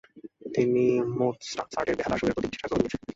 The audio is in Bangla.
তিনি মোৎসার্টের বেহালার সুরের প্রতি বিশেষ আগ্রহ দেখিয়েছেন।